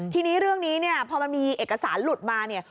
ทีนี้เรื่องนี้เนี่ยพอมันมีเอกสารหลุดมาเนี่ย